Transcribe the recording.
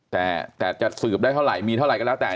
แต่จะสืบได้เท่าไหร่มีเท่าไหร่ก็แล้วแต่